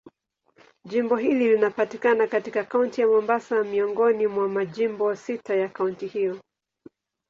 Jimbo hili linapatikana katika Kaunti ya Mombasa, miongoni mwa majimbo sita ya kaunti hiyo.